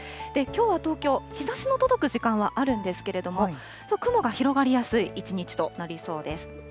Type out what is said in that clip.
きょうは東京、日ざしの届く時間はあるんですけれども、雲が広がりやすい一日となりそうです。